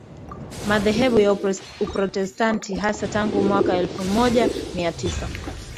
madhehebu ya Uprotestanti Hasa tangu mwaka Elfu moja Mia Tisa